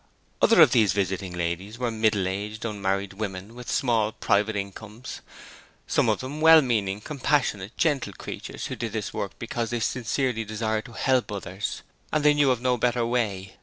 Other of these visiting ladies were middle aged, unmarried women with small private incomes some of them well meaning, compassionate, gentle creatures who did this work because they sincerely desired to help others, and they knew of no better way.